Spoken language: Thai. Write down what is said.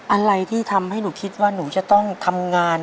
อะไรที่ทำให้หนูคิดว่าหนูจะต้องทำงาน